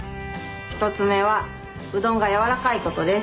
１つ目はうどんが柔らかいことです。